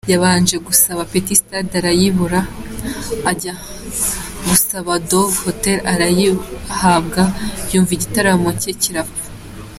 Yabanje gusaba Petit Stade arayibura, ajya gusaba Dove Hotel arayihabwa nyuma igitaramo cye kirapfa.